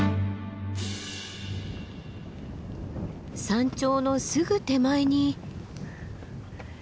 山頂のすぐ手前に。